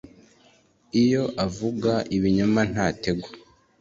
iyo avuga ibinyoma ntategwa